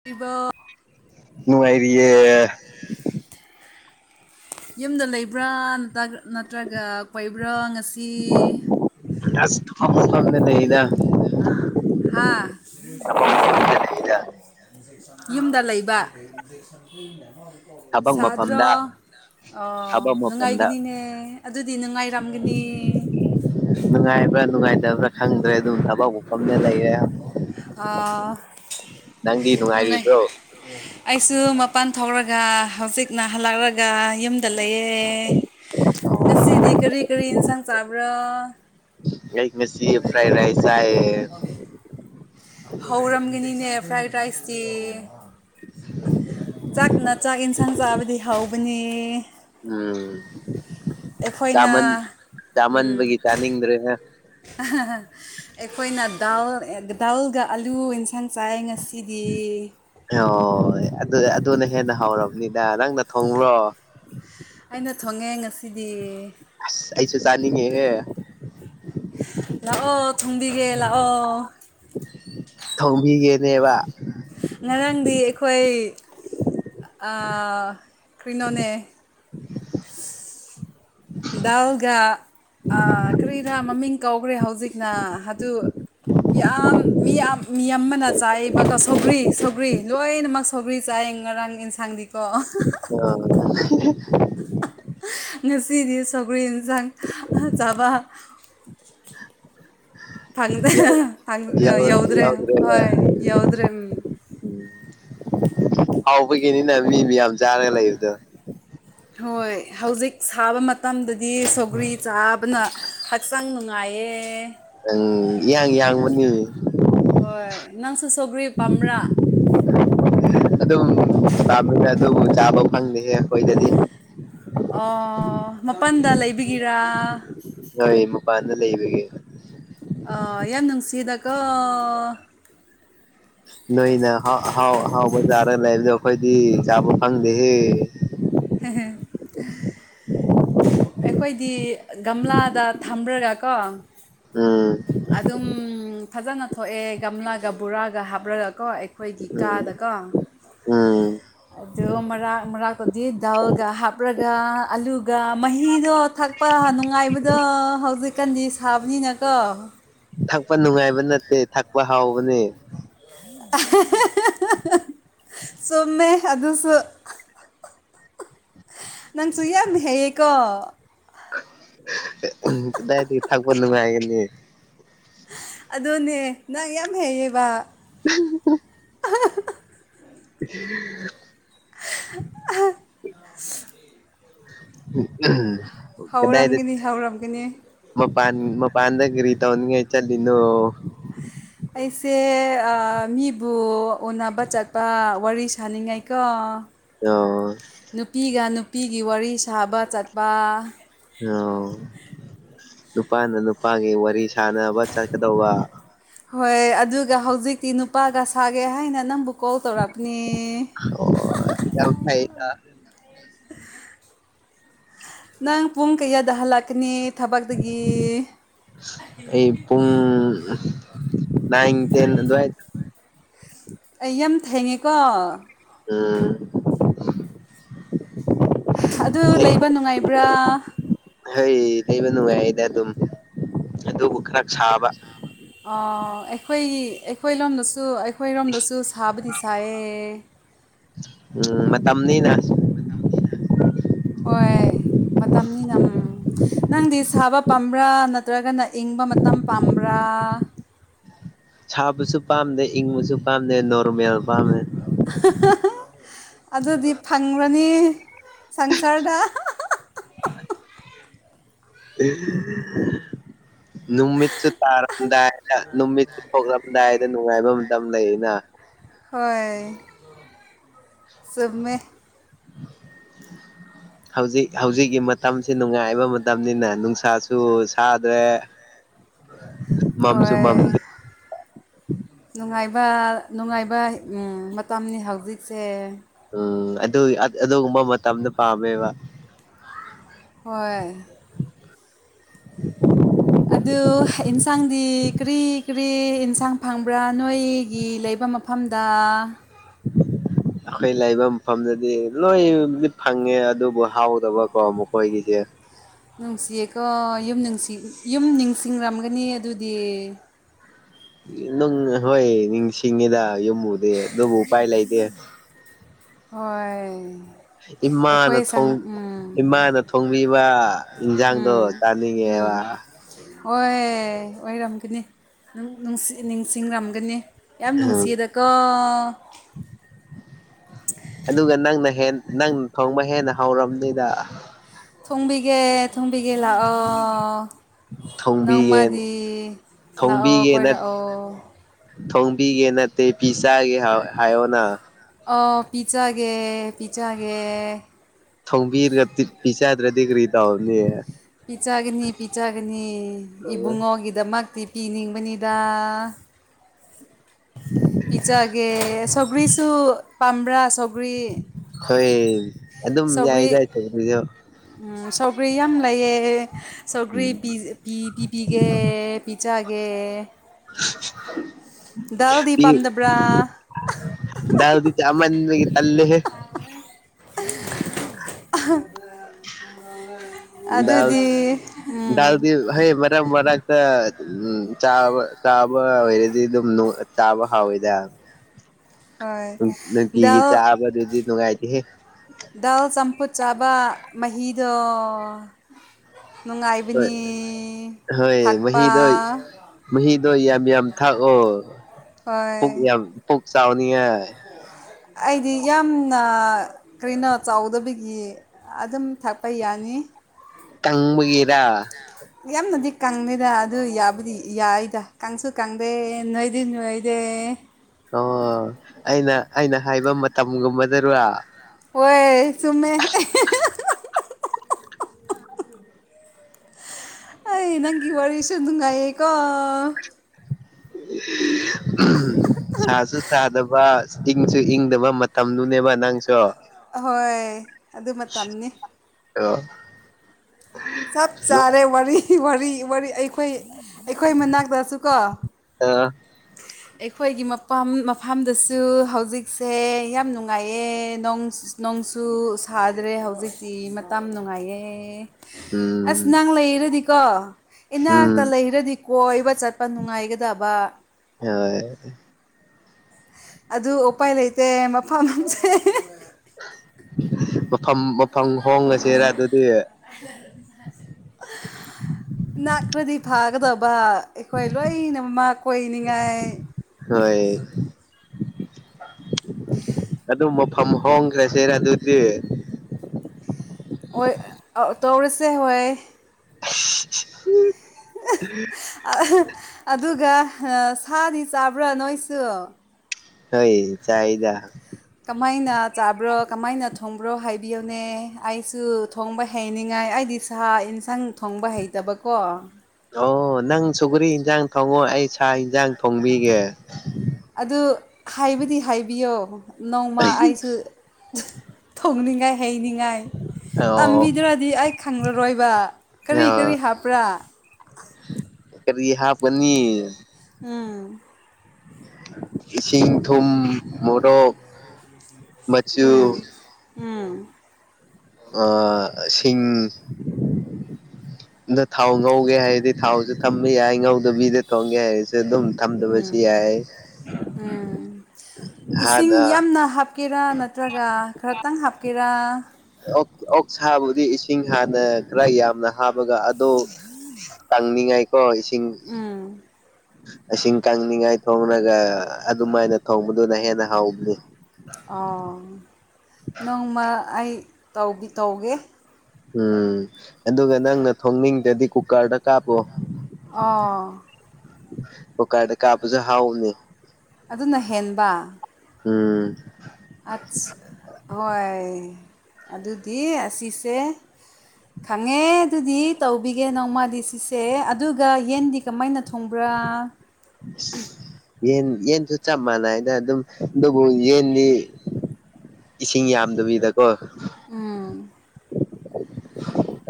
ꯑꯗꯨꯒꯔꯤꯕ ꯅꯨꯡꯉꯏꯔꯤꯌꯦ ꯌꯨꯝꯗ ꯂꯩꯕ꯭ꯔꯥ ꯅꯠꯇ꯭ꯔꯒ ꯄꯩꯕ꯭ꯔꯥ ꯑꯁꯤꯁꯤ ꯑꯁ ꯊꯕꯛ ꯃꯐꯝꯗ ꯂꯩꯗ ꯌꯨꯝ ꯂꯩꯕ ꯊꯕꯛ ꯁꯥꯗ꯭ꯔ ꯃꯐꯝꯗ ꯑꯣ ꯊꯕꯛ ꯃꯐꯝꯗ ꯅꯨꯡꯉꯥꯏꯒꯅꯤꯅꯦ ꯑꯗꯨꯗꯤ ꯅꯨꯡꯉꯥꯏꯔꯝꯒꯅꯤ ꯅꯨꯡꯉꯥꯏꯕ꯭ꯔꯥ ꯅꯨꯡꯉꯥꯏꯇꯕ꯭ꯔꯥ ꯈꯪꯗ꯭ꯔꯦ ꯑꯗꯨꯝ ꯊꯕꯥꯎ ꯄꯐꯝꯝꯅ ꯂꯩꯔꯦ ꯅꯪꯗꯤ ꯅꯨꯡꯉꯥꯏ ꯅꯨꯡꯉꯥꯏꯔꯤꯕ꯭ꯔꯣ ꯑꯩꯁꯨ ꯃꯄꯥꯟ ꯊꯣꯛꯔꯒ ꯍꯧꯖꯤꯛꯅ ꯍꯜꯂꯛꯂꯒ ꯌꯨꯝꯗ ꯂꯩꯌꯦ ꯉꯁꯤꯗꯤ ꯀꯔꯤ ꯀꯔꯤ ꯌꯦꯟꯁꯥꯡ ꯆꯥꯕ꯭ꯔꯥ ꯃꯦꯁꯤ ꯐ꯭ꯔꯥꯏ ꯔꯥꯏꯁ ꯍꯥꯏꯥꯏ ꯍꯧꯔꯝꯒꯅꯤꯅꯦ ꯐ꯭ꯔꯥꯏꯠ ꯔꯥꯏꯁꯇꯤ ꯆꯥꯛꯅ ꯆꯥꯛ ꯌꯦꯟꯁꯥꯡ ꯆꯥꯕꯗꯤ ꯍꯧꯕꯅꯤ ꯎꯝ ꯑꯩꯈꯣꯏꯅ ꯆꯃꯟ ꯆꯃꯟ ꯎꯝ ꯒꯤ ꯆꯥꯅꯤꯡꯗ꯭ꯔꯦ ꯑꯩꯈꯣꯏꯅ ꯗꯥꯜ ꯗꯥꯎꯜꯒ ꯑꯥꯂꯨ ꯏꯟꯁꯥꯡ ꯉꯁꯥꯏ ꯉꯁꯤꯗꯤ ꯍꯣꯏ ꯑꯗꯨ ꯑꯗꯨꯅ ꯍꯦꯟꯅ ꯍꯧꯔꯕꯅꯤꯅ ꯅꯪꯅ ꯊꯣꯡꯕꯨꯔꯣ ꯑꯩꯅ ꯊꯣꯡꯉꯦ ꯑꯁꯤꯗꯤ ꯑꯩꯁꯨ ꯆꯥꯅꯤꯡꯉꯦꯍꯦ ꯂꯥꯛꯑꯣ ꯊꯣꯡꯕꯤꯒꯦ ꯂꯥꯛꯑꯣ ꯊꯧꯕꯤꯒꯦꯅꯦꯕ ꯉꯔꯥꯡꯗꯤ ꯑꯩꯈꯣꯏ ꯀ꯭ꯔꯤꯅꯅꯦ [unintelligible] ꯗꯥꯜꯒ ꯀꯔꯤꯗ ꯃꯃꯤꯡ ꯀꯧꯈ꯭ꯔꯦ ꯍꯧꯖꯤꯛꯅ ꯑꯗꯨ ꯌꯥꯝ ꯃꯤ ꯌꯥꯝ ꯃꯤ ꯑꯃꯅ ꯆꯥꯏꯕꯀꯣ ꯁꯧꯒ꯭ꯔꯤ ꯁꯧꯒ꯭ꯔꯤ ꯂꯣꯏꯅꯃꯛ ꯁꯧꯕꯔꯤ ꯆꯥꯏ ꯉꯔꯥꯡ ꯑꯦꯟꯁꯥꯡꯗꯤ ꯑ ꯉꯁꯤꯗꯤ ꯁꯒꯔꯤ ꯌꯦꯟꯁꯥꯡ ꯆꯥꯕ [unintelligible] ꯐꯪ ꯌꯥꯎ ꯐꯪ ꯌꯥꯎ ꯌꯎꯗ꯭ꯔꯦ ꯌꯥꯎꯗ꯭ꯔꯦꯕ ꯍꯣꯏ ꯌꯥꯎꯗ꯭ꯔꯦ ꯎꯝ ꯍꯥꯎꯕꯒꯤꯅꯤꯅ ꯃꯤ ꯃꯌꯥꯝ ꯆꯥꯔꯒ ꯂꯩꯕꯗꯣ ꯍꯣꯏ ꯍꯧꯖꯤꯛ ꯁꯥꯕ ꯃꯇꯝꯗꯗꯤ ꯁꯣꯒ꯭ꯔꯤ ꯆꯥꯕꯅ ꯍꯛꯆꯥꯡ ꯅꯨꯡꯉꯥꯏ ꯑꯦ ꯎꯝ ꯌꯥꯡ ꯌꯥꯡ ꯃꯅꯤ ꯍꯣꯏ ꯅꯪꯁꯨ ꯁꯧꯒ꯭ꯔꯤ ꯄꯥꯝꯕ꯭ꯔꯥ ꯑꯗꯨꯝꯥꯕꯅ ꯑꯗꯨꯕꯨ ꯆꯥꯕ ꯐꯪꯗꯦꯍꯦ ꯑꯩꯈꯣꯏꯗꯗꯤ ꯑꯣ ꯃꯄꯥꯟꯗ ꯂꯩꯕꯤꯒꯤꯔꯥ ꯍꯣꯏ ꯃꯄꯥꯟꯗ ꯂꯩ ꯏꯕꯒ ꯌꯥꯝ ꯅꯨꯡꯁꯤꯗꯀꯣ ꯅꯣꯏꯅ ꯑꯍꯥꯎ ꯑꯍꯥꯎꯕ ꯆꯥꯔꯒ ꯂꯩꯕꯗꯣ ꯑꯩꯈꯣꯏꯗꯤ ꯆꯥꯕ ꯐꯪꯗꯦꯍꯦ ꯍꯝꯍꯝ ꯑꯩꯈꯣꯏꯗꯤ ꯒꯝꯂꯥꯗ ꯊꯝꯕ꯭ꯔꯒ ꯀꯣ ꯎꯝ ꯑꯗꯨꯝ ꯐꯖꯅ ꯊꯣꯛꯑꯦ ꯒꯝꯂꯥꯒ ꯕꯣꯔꯥꯒ ꯍꯥꯞꯂꯒꯀꯣ ꯑꯩꯈꯣꯏꯒꯤ ꯎꯝ ꯀꯥꯗꯀꯣ ꯎꯝ ꯑꯗꯣ ꯃꯔꯥꯛ ꯃꯔꯥꯛꯇꯗꯤ ꯗꯥꯎꯜꯒ ꯍꯥꯞꯂꯒ ꯑꯂꯨꯒ ꯃꯍꯤꯗꯣ ꯊꯛꯄ ꯑ ꯅꯨꯡꯉꯥꯏꯕꯗꯣ ꯍꯧꯖꯤꯛꯀꯥꯟꯗꯤ ꯁꯥꯕꯅꯤꯅꯀꯣ ꯊꯛꯄ ꯅꯨꯡꯉꯥꯏꯕ ꯅꯠꯇꯦ ꯊꯛꯄ ꯍꯥꯎꯕꯅꯦ ꯑ ꯎꯝ ꯆꯨꯝꯃꯦ ꯑꯗꯨꯁꯨ ꯅꯪ ꯁꯨꯌꯥꯥ ꯍꯌꯦꯦꯀꯣ ꯗꯥꯏ ꯊ ꯊꯥꯛꯄ ꯅꯨꯡꯉꯥꯏꯒꯅꯤ ꯑꯗꯨꯅꯦ ꯅꯪ ꯌꯥꯝ ꯍꯩꯌꯦꯕ [unintelligible] [unintelligible] ꯑ ꯎ ꯍꯧꯔꯝꯒꯅꯤ ꯍꯧꯔꯝꯒꯅꯤ ꯃ ꯄꯥꯟ ꯃ ꯄꯥꯟꯗꯒꯔꯤ ꯇꯟꯒ ꯍ ꯆꯅꯣ ꯑꯩꯁꯦ ꯃꯤꯕꯨ ꯎꯅꯕ ꯆꯠꯄ ꯋꯥꯔꯤ ꯁꯥꯅꯤꯡꯉꯥꯏꯀ ꯑꯣ ꯅꯨꯄꯤꯒ ꯅꯨ ꯅꯨꯄꯤꯒꯤ ꯋꯥꯔꯤ ꯁꯥꯕ ꯆꯠꯄ ꯑꯣ ꯅꯨꯄꯥꯅ ꯅꯨꯄꯥꯒꯤ ꯋꯥꯔꯤ ꯁꯅꯕ ꯆꯠꯀꯗꯧꯕ ꯍꯣꯏ ꯑꯗꯨꯒ ꯍꯧꯖꯤꯛꯇꯤ ꯅꯨꯄꯥꯒ ꯁꯥꯒꯦ ꯍꯥꯏꯅ ꯅꯪꯕꯨ ꯀꯥꯎ ꯇꯧꯔ ꯄ ꯑꯣ ꯌꯥꯝ ꯐꯩꯗ ꯅꯪ ꯄꯨꯡ ꯀꯩꯌꯥꯗꯍ ꯂꯥꯛꯈꯅꯤ ꯑꯩ ꯄꯨꯡ ꯅꯏꯟ ꯇꯦꯟ ꯑꯗꯨ ꯑꯗꯨ ꯑꯩ ꯌꯥꯝ ꯊꯦꯡꯉꯦꯀꯣ ꯎꯝ ꯑꯗꯨ ꯍꯦꯛ ꯂꯩꯕ ꯅꯨꯡꯉꯥꯏꯕ꯭ꯔꯥ ꯍꯩ ꯂꯩꯩꯕ ꯅꯨꯡꯉꯥꯏꯗ ꯑꯗꯨꯝ ꯑꯗꯨꯕꯨ ꯈꯔ ꯁꯥꯕ ꯑꯩꯈꯣꯏ ꯑꯩꯈꯣꯏ ꯂꯣꯝꯗꯁꯨ ꯑꯩꯈꯣꯏꯔꯣꯝꯗꯁꯨ ꯁꯥꯕꯨꯗꯤ ꯁꯥꯏꯌꯦ ꯅꯤ ꯍꯣꯏ ꯃꯇꯝꯅꯤ ꯅ ꯅꯪꯗꯤ ꯁꯥꯕ ꯄꯥꯝꯕ꯭ꯔꯥ ꯅꯠꯇ꯭ꯔꯒꯅ ꯏꯪꯕ ꯃꯇꯝ ꯄꯥꯝꯕ꯭ꯔꯥ ꯁꯥꯕꯁꯨ ꯄꯥꯝꯗꯦ ꯏꯪꯕꯁꯨ ꯄꯥꯝꯗꯦ ꯅꯣꯔꯃꯦꯜ ꯄꯥꯝꯃꯦ ꯁꯪꯁꯔꯗ ꯎ ꯅꯨꯃꯤ ꯇꯥꯔꯝꯗ ꯅꯃꯤ ꯄꯨꯝꯗ ꯅꯨꯡꯉꯥꯏꯕ ꯃꯇꯝ ꯂꯩꯅ ꯍꯣꯏ ꯁꯃꯦ [unintelligible] ꯍꯧꯖꯤꯛ ꯍꯧꯖꯤꯛꯀꯤ ꯃꯇꯝꯁꯤꯦ ꯅꯨꯡꯉꯥꯏꯕ ꯃꯇꯝꯅꯤꯅ ꯅꯨꯡꯁꯥꯁꯨ ꯁꯥꯗ꯭ꯔꯦ ꯃꯝꯖꯨ ꯍꯣꯏ ꯃꯝ ꯍꯥꯏꯕ ꯅꯨꯡꯉꯥꯏꯕ ꯃꯇꯝꯅꯤ ꯍꯧꯖꯤꯛꯁꯦ ꯎꯝ ꯑꯗꯨ ꯑꯗꯨꯒꯨꯝꯕ ꯃꯇꯝꯗ ꯄꯥꯝꯃꯦꯕ ꯍꯣꯏ ꯑꯗꯨ ꯑꯦꯟꯁꯥꯡꯗꯤ ꯀꯔꯤ ꯀꯔꯤ ꯏꯟꯁꯥꯡ ꯐꯪꯕ꯭ꯔꯥ ꯅꯣꯏꯒꯤ ꯂꯩꯕ ꯄꯤꯛꯄ ꯃꯐꯝꯗ ꯍ ꯑꯩꯈꯣꯏ ꯂꯩꯕ ꯃꯐꯝꯗꯗꯤ ꯂꯣꯏꯠ ꯐꯪꯉꯦ ꯑꯗꯨꯕꯨ ꯍꯥꯎꯗꯕꯀꯣ ꯃꯈꯣꯏꯒꯤꯁꯦ ꯅꯨꯡꯁꯤꯌꯦꯀꯣ ꯌꯨꯝ ꯌꯨꯝ ꯅꯤꯡꯁꯤꯡꯔꯝꯒꯅꯤ ꯑꯗꯨꯗꯤ ꯅꯪ ꯍꯣꯏ ꯅꯤꯡꯁꯤꯡꯉꯤꯗ ꯌꯨꯝꯕꯨꯗꯤ ꯑꯗꯨꯕꯨ ꯎ ꯄꯥꯏ ꯂꯩꯇꯦ ꯍꯣꯏ ꯏꯃꯥꯅ ꯑꯩꯈꯣꯏ ꯁꯪ ꯎꯝ ꯏꯃꯥꯅ ꯊꯣꯡꯕꯤꯕ ꯏꯟꯁꯥꯡꯗꯣ ꯆꯥꯅꯤꯡꯉꯦ ꯋꯥ ꯍ ꯑꯣꯏꯔꯝꯒꯅꯤ ꯅꯤꯡꯁꯤꯡꯔꯝꯒꯅꯤ ꯌꯥꯝ ꯎꯝ ꯅꯨꯡꯁꯤꯗ ꯑꯥ [inaudible] ꯑꯗꯨꯒ ꯅꯪꯅ ꯍ ꯅꯪꯅ ꯊꯣꯡꯕ ꯍꯦꯟꯅ ꯍꯧꯔꯕꯝꯅꯤꯗ ꯊꯣꯡꯕꯤꯒꯦ ꯊꯣꯡꯕꯤꯒꯦ ꯂꯥꯛꯑꯣ ꯊꯣꯡꯕꯤꯒꯦ ꯅꯣꯡꯃꯗꯤ ꯂꯥꯛꯑꯣ ꯀꯣꯏ ꯊꯣꯡꯕꯤꯒꯦꯅ ꯂꯥ ꯑꯣ ꯊꯣꯡꯕꯤꯒꯦ ꯅꯠꯇꯦ ꯄꯤ ꯆꯥꯒꯦ ꯍꯥꯏꯌꯣꯅ ꯄꯤꯖꯖꯥꯒꯦ ꯄꯤꯖꯖꯥꯒꯦ ꯊꯣꯡꯕꯤꯔꯒ ꯄꯤ ꯆꯗ꯭ꯔꯗꯤ ꯀꯔꯤ ꯇꯧꯅꯦ ꯄꯤꯖꯒꯅꯤ ꯄꯤꯖꯒꯅꯤ ꯏꯕꯨꯡꯉꯣꯒꯤꯗꯃꯛꯇꯤ ꯏꯤꯅꯤꯡꯕꯅꯤꯗ ꯄꯤꯖꯒꯦ ꯁꯒꯔꯤꯁꯨꯨ ꯄꯥ꯭ꯔꯥ ꯁ ꯍꯣꯏ ꯑꯗꯨꯝ ꯌꯥꯏꯗꯥꯏ ꯊ ꯁꯕ꯭ꯔꯤ ꯌꯥꯝ ꯂꯩꯌꯦ ꯁꯧꯒꯔꯤ ꯎꯝ ꯄꯤ ꯄꯤꯕꯤꯤꯒꯦ ꯄꯤꯖꯥꯒꯦ ꯗꯜꯗꯤ ꯄꯥꯝꯗꯕ꯭ꯔꯥ ꯗꯎꯗꯤ ꯆꯃꯟ ꯇꯂꯦꯦ ꯑ ꯗꯜꯗꯤ ꯍꯌꯦ ꯃꯔ ꯃꯔ ꯎꯝ ꯆꯥꯕ ꯆꯥꯕ ꯑꯣꯏꯔꯗꯤ ꯑꯗꯨꯝ ꯆꯥꯕ ꯍꯥꯎꯋꯦꯗ [inaudible] ꯍꯣꯏ ꯅꯨꯡꯇꯤꯒꯤ ꯆꯥꯕꯗꯨꯗꯤ ꯅꯨꯡꯉꯥꯏꯇꯦꯍꯦ ꯗꯗꯥ ꯜ ꯆꯝꯄꯨ ꯆꯥꯕ ꯃꯍꯍꯍꯤꯗ ꯍꯣꯏ ꯅꯨꯡꯉꯥꯏꯕꯅꯤ ꯍꯣꯏ ꯊꯥꯛꯄ ꯃꯍꯤꯗꯣ ꯃꯍꯤꯗꯣ ꯌꯥꯝ ꯌꯥꯝ ꯊꯥꯛꯑꯣ ꯍꯣꯏ ꯄꯨꯛ ꯌꯥꯝ ꯁꯥꯎꯅꯤꯌꯥ ꯑꯩꯗꯤ ꯌꯥꯝꯅ ꯀꯅꯣ ꯆꯥꯎꯗꯕꯒꯤ ꯑꯗꯨꯝ ꯊꯥꯛꯄ ꯌꯥꯅꯤ ꯇꯪꯕꯒꯦꯔꯥ ꯀꯥꯡꯪꯗꯦꯗ ꯑꯗꯨ ꯌꯥꯕꯨꯗꯤ ꯌꯥꯏꯗ ꯀꯥꯡꯁꯨ ꯀꯥꯡꯗꯦ ꯅꯣꯏꯗꯤ ꯅꯣꯏꯗꯦ ꯑꯣ ꯑꯩꯅ ꯑꯩꯅ ꯍꯥꯏꯕ ꯃꯇꯝꯒꯨꯝꯕꯗꯔ ꯍꯣꯏ ꯆꯨꯝꯃꯦ ꯑꯩ ꯅꯪꯒꯤ ꯋꯥꯔꯤꯁꯨ ꯅꯨꯡꯉꯥꯏꯌꯦꯀꯣ ꯁꯥꯁꯨ ꯊꯥꯗꯕ ꯏꯪꯁꯨ ꯏꯪꯗꯕ ꯃꯇꯝꯗꯨꯅꯦꯕ ꯅꯪꯁꯨ ꯑꯍꯣꯏ ꯑꯗꯨ ꯃꯇꯝꯅꯤ ꯑꯣ ꯆꯞ ꯆꯥꯔꯦ ꯋꯥꯔꯤ ꯋꯥꯔꯤ ꯋꯥꯔꯤ ꯑꯩꯈꯣꯏ ꯑꯩꯈꯣꯏ ꯃꯅꯥꯛꯇꯁꯨ ꯀꯣ ꯑꯩꯈꯣꯏꯒꯤ ꯃꯐꯝ ꯃꯐꯝꯗꯁꯨ ꯍꯧꯖꯤꯛꯁꯦ ꯌꯥꯝ ꯅꯨꯡꯉꯥꯏꯌꯦ ꯅꯣꯡ ꯅꯣꯡꯁꯨ ꯁꯥꯗ꯭ꯔꯦ ꯍꯧꯖꯤꯛꯇꯤ ꯃꯇꯝ ꯅꯨꯡꯉꯥꯏꯌꯦ ꯑꯁ ꯎꯝ ꯅꯪ ꯂꯩꯔꯗꯤꯀꯣ ꯎꯝ ꯏꯅꯥꯛꯇ ꯂꯩꯔꯗꯤ ꯀꯣꯏꯕ ꯆꯠꯄ ꯅꯨꯡꯉꯥꯏꯒꯗꯕ ꯍꯣꯏ ꯑꯗꯨ ꯎꯄꯥꯏ ꯂꯩꯇꯦ ꯃꯐꯝ ꯁꯦ ꯃꯐꯝ ꯍꯣꯡꯉꯁꯤꯔ ꯑꯗꯨꯗꯤ ꯀꯥꯒꯗꯕ ꯑꯩꯈꯣꯏ ꯂꯣꯏꯅ ꯃꯃ ꯀꯣꯏꯅꯤꯡꯉꯥꯏ ꯍꯣꯢ ꯑꯗꯨꯝ ꯃꯐꯝ ꯍꯣꯡꯈ꯭ꯔꯁꯤꯔ ꯑꯗꯨꯗꯤ ꯍꯣꯏ ꯇꯧꯔꯁꯦ ꯍꯣꯏ ꯑꯗꯨꯒ ꯁꯥꯗꯤ ꯆꯥꯕ꯭ꯔꯥ ꯅꯣꯏꯁꯨ ꯍꯣꯏ ꯆꯥꯢꯗ ꯀꯃꯥꯏꯅ ꯆꯥꯕ꯭ꯔꯣ ꯀꯃꯥꯏꯅ ꯊꯣꯡꯕ꯭ꯔꯣ ꯍꯥꯏꯕꯤꯌꯨꯅꯦ ꯑꯩꯁꯨ ꯊꯣꯡꯕ ꯍꯩꯅꯤꯡꯉꯥꯏ ꯑꯩꯗꯤ ꯁꯥ ꯌꯦꯟꯁꯥꯡ ꯊꯣꯡꯕ ꯍꯩꯇꯕꯀꯣ ꯑꯣ ꯅꯪ ꯁꯧꯒ꯭ꯔꯤ ꯏꯟꯁꯥꯡ ꯊꯣꯡꯉꯣ ꯑꯩ ꯁꯥ ꯌꯦꯟꯁꯥꯡ ꯊꯣꯡꯕꯤꯒꯦ ꯑꯗꯨ ꯍꯥꯏꯕꯗꯤ ꯍꯥꯏꯕꯤꯌꯣ ꯅꯣꯡꯃ ꯑꯩꯁꯨ ꯊꯣꯡꯅꯤꯡꯉꯥꯏ ꯍꯩꯅꯤꯡꯉꯥꯏ ꯑꯣ ꯇꯝꯕꯤꯗ꯭ꯔꯗꯤ ꯑꯩ ꯈꯪꯂꯔꯣꯏꯕ ꯀꯔꯤ ꯀꯔꯤ ꯑ ꯍꯥꯞꯄ꯭ꯔꯥ ꯀ꯭ꯔꯤ ꯍꯥꯞ ꯀꯅꯤ ꯎꯝ ꯏꯁꯤꯡ ꯊꯨꯝ ꯃꯣꯔꯣꯛ ꯃꯆꯨ ꯎꯝ ꯎꯝ ꯑ ꯁꯤꯡ ꯑꯗ ꯊꯥꯎ ꯉꯧꯒꯦ ꯍꯥꯏꯔꯗꯤ ꯊꯥꯎꯁꯨ ꯊꯝꯕ ꯌꯥꯏ ꯉꯧꯗꯕꯤꯗ ꯊꯣꯡꯒꯦ ꯍꯥꯏꯔꯁꯨ ꯊꯝꯗꯕꯁꯤ ꯌꯥꯏ ꯎꯝ ꯏꯁꯤꯡ ꯍꯥꯟꯅ ꯌꯥꯝꯅ ꯍꯥꯞꯀꯦꯔꯥ ꯅꯠꯇ꯭ꯔꯒ ꯈꯔꯇꯪ ꯍꯥꯞꯀꯦꯔꯥ ꯑꯣꯛ ꯁꯥꯕꯨꯗꯤ ꯏꯁꯤꯡ ꯍꯥꯟꯅ ꯈꯔ ꯌꯥꯝꯅ ꯍꯥꯞ ꯑꯗꯨꯒ ꯑꯗꯨ ꯇꯥꯡꯅꯤꯡꯉꯥꯏꯀꯣ ꯏꯁꯤꯡ ꯎꯝ ꯏꯁꯤꯡ ꯀꯪꯅꯤꯡꯉꯥꯏ ꯊꯣꯡꯉꯒ ꯑꯗꯨꯃꯥꯏꯅ ꯊꯣꯡꯕꯗꯨꯅ ꯍꯦꯟꯅ ꯍꯥꯎꯕꯅꯤ ꯑꯣ ꯅꯣꯡꯃ ꯑꯩ ꯇꯧꯗꯤ ꯇꯧꯒꯦ ꯎꯝ ꯑꯗꯨꯒ ꯅꯪꯅ ꯊꯣꯡꯅꯤꯡꯗꯗꯤ ꯀꯨꯀꯔꯗ ꯀꯥꯞꯄꯣ ꯑꯣ ꯀꯨꯀꯔꯗ ꯀꯥꯞꯄꯁꯨ ꯍꯥꯎꯕꯅꯤ ꯑꯗꯨꯅ ꯍꯦꯟꯕ ꯎꯝ ꯑꯠꯁ ꯍꯣꯏ ꯑꯗꯨꯗꯤ ꯑꯁꯤꯁꯦ ꯈꯪꯉꯦ ꯑꯗꯨꯗꯤ ꯇꯧꯕꯤꯒꯦ ꯅꯣꯡꯃꯗꯤ ꯁꯤꯁꯦ ꯑꯗꯨꯒ ꯌꯦꯟꯗꯤ ꯀꯃꯥꯏꯅ ꯊꯣꯡꯕ꯭ꯔꯥ ꯑꯥ [unintelligible] ꯌꯦꯟ ꯌꯦꯟꯁꯨ ꯆꯞ ꯃꯥꯟꯅꯩꯗ ꯑꯗꯨꯝ ꯑꯗꯨꯕꯨ ꯌꯦꯟꯅꯤ ꯏꯁꯤꯡ ꯌꯥꯝꯗꯕꯤꯗꯀꯣ ꯎꯝ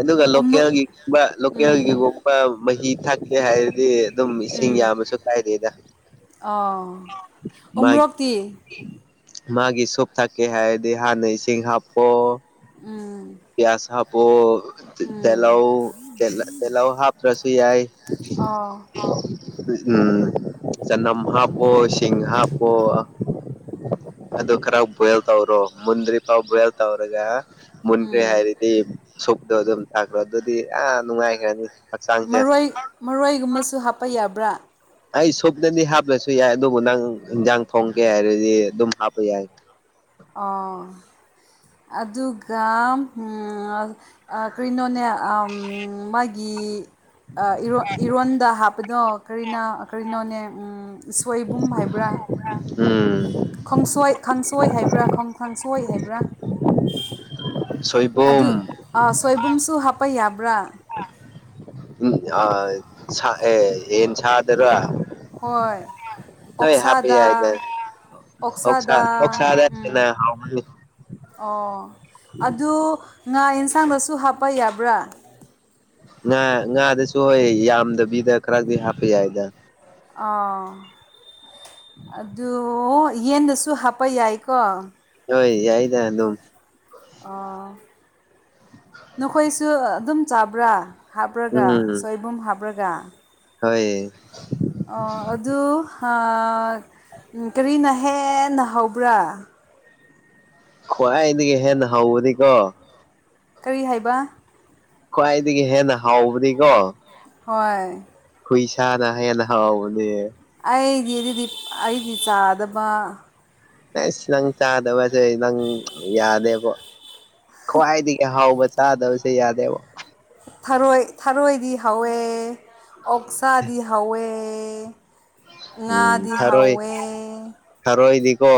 ꯑꯗꯨꯒ ꯎꯝ ꯂꯣꯀꯦꯜꯒꯤꯒꯨꯝꯕ ꯂꯣꯀꯦꯜꯒꯤꯒꯨꯝꯕ ꯃꯍꯤ ꯊꯛꯀꯦ ꯍꯥꯏꯔꯗꯤ ꯑꯗꯨꯝ ꯏꯁꯤꯡ ꯎꯝ ꯌꯥꯝꯃꯁꯨ ꯀꯥꯏꯗꯦꯗ ꯃꯥꯒꯤ ꯎꯔꯛꯇꯤ ꯃꯥꯒꯤ ꯁꯣꯨꯞ ꯊꯥꯛꯀꯦ ꯍꯥꯏꯔꯗꯤ ꯍꯥꯟꯅ ꯏꯁꯤꯡ ꯍꯥꯞꯄꯣ ꯎꯝ ꯄꯤꯌꯥꯁ ꯍꯥꯞꯄꯣ ꯑꯣ ꯎꯝ ꯇꯦꯂꯥ ꯇꯦꯂꯥꯎ ꯍꯥꯞ꯭ꯔꯁꯨ ꯌꯥꯏ ꯑ ꯎꯝ ꯆꯅꯝ ꯍꯥꯞꯄꯣ ꯁꯤꯡ ꯍꯥꯞꯄꯣ ꯑꯗ ꯀꯔꯒ ꯣꯏꯦꯜꯇꯥꯕꯣ ꯃꯟꯔꯤꯄꯥ ꯣꯜꯇꯥꯕ꯭ꯔꯒ ꯃꯨꯟꯈ꯭ꯔꯦ ꯎꯝ ꯍꯥꯏꯔꯗꯤ ꯁꯨꯗꯣ ꯑꯗꯨꯝ ꯇꯥꯛꯈ꯭ꯔꯣ ꯑꯗꯨꯗꯤ ꯑꯥ ꯅꯨꯡꯉꯥꯏꯈ꯭ꯔꯅꯤ ꯍꯛꯆꯥꯡꯁꯦ ꯃꯔꯣꯏ ꯃꯔꯣꯏꯒꯨꯝꯕꯁꯨ ꯍꯥꯞꯄ ꯌꯥꯕ꯭ꯔꯥ ꯑꯩ ꯁꯨꯞꯅꯗꯤ ꯍꯥꯞꯂꯁꯨ ꯌꯥꯏ ꯑꯗꯨꯕꯨ ꯅꯪ ꯏꯟꯖꯥꯡ ꯊꯣꯡꯀꯦ ꯍꯥꯏꯔꯗꯤ ꯑꯗꯨꯝ ꯍꯥꯞꯄ ꯌꯥꯏ ꯑ ꯑꯗꯨꯒ ꯀꯔꯤꯅꯣꯅꯦ ꯃꯥꯒꯤ ꯏꯔꯣꯟꯗ ꯍꯥꯞꯄꯗꯣ ꯀꯔꯤꯅ ꯀꯔꯤꯅꯣꯅꯦ ꯁꯣꯏꯕꯨꯝ ꯍꯥꯏꯕ꯭ꯔꯥ ꯇ꯭ꯔꯥ ꯎꯝ ꯈꯁꯣꯏ ꯈꯥꯡꯁꯣꯏ ꯍꯥꯏꯕ꯭ꯔꯥ ꯀꯥꯡꯁꯣꯏ ꯍꯥꯏꯕ꯭ꯔꯥ ꯑꯗꯨ ꯁꯣꯏꯕꯨꯝ ꯁꯣꯏꯕꯨꯝꯁꯨ ꯍꯥꯞꯄ ꯌꯥꯕ꯭ꯔꯥ ꯎꯝ ꯑ ꯁ ꯑꯦ ꯌꯦꯟ ꯁꯗꯔ ꯍꯣꯏꯣꯏ ꯑꯣꯛꯁꯥꯗꯥ ꯌꯥꯏꯗ ꯑꯣꯛꯁꯥ ꯑꯣꯛꯁꯥꯗꯥ ꯑꯣꯛꯁꯥꯗ ꯍꯦꯟꯅ ꯍꯥꯎꯕꯅꯤ ꯑꯣ ꯑꯗꯨ ꯉꯥ ꯑꯦꯟꯁꯥꯡꯗꯁꯨ ꯍꯥꯞꯄ ꯌꯥꯕ꯭ꯔꯥ ꯉꯥ ꯉꯥꯗꯁꯨ ꯍꯣꯏ ꯌꯥꯝꯗꯕꯤꯗ ꯈꯔꯗꯤ ꯍꯥꯞꯄ ꯌꯥꯏꯗ ꯑ ꯑꯗꯨ ꯌꯦꯟꯗꯁꯨ ꯍꯥꯞꯄ ꯌꯥꯏꯀꯣ ꯍꯣꯏ ꯌꯥꯏꯗ ꯑꯗꯨ ꯑꯣ ꯅꯈꯣꯏꯁꯨ ꯑꯗꯨꯝ ꯆꯥꯕ꯭ꯔꯥ ꯍꯥꯞꯄ꯭ꯔꯒ ꯎꯝ ꯁꯣꯏꯕꯨꯝ ꯍꯥꯞꯄ꯭ꯔꯒ ꯍꯣꯏ ꯑ ꯑꯗꯨ ꯀꯔꯤꯅ ꯍꯦꯟꯅꯍꯧꯕ꯭ꯔꯥ ꯈ꯭ꯋꯥꯏꯗꯒꯤ ꯍꯦꯟꯅ ꯍꯧꯕꯅꯤꯀꯣ ꯀꯔꯤ ꯍꯥꯏꯕ ꯈ꯭ꯋꯥꯏꯗꯒꯤ ꯍꯦꯟꯅ ꯍꯥꯎꯕꯗꯤꯀꯣ ꯍꯣꯏ ꯄꯩꯁꯥꯅꯅꯥ ꯍꯥꯏꯌꯥꯅ ꯍꯥꯎ ꯃꯅꯦ ꯑꯩꯗꯤ ꯑꯗꯨꯗꯤ ꯑꯩꯗꯤ ꯆꯥꯗꯕ ꯑꯩꯁ ꯅꯪ ꯆꯥꯗꯕꯁꯦ ꯅꯪ ꯌꯥꯗꯦꯕꯣ ꯀꯣꯏꯋꯥꯏꯗꯤ ꯀ ꯍꯥꯎꯕ ꯆꯥꯗꯧꯁꯤ ꯌꯥꯗꯦꯕ ꯊꯔꯣꯏ ꯊꯔꯣꯏꯗꯤ ꯍꯧꯥꯎꯋꯦ ꯑꯣꯛꯁꯥꯗꯤ ꯍꯥꯎꯋꯦ ꯎꯝ ꯊꯔꯣꯏ ꯍꯧꯋꯦ ꯊꯔꯣꯏꯗꯤꯀꯣ